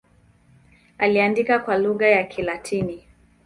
Aliandika kwa lugha ya Kilatini.